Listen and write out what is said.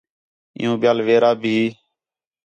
عِیُّوں ٻِیال ویرا بھی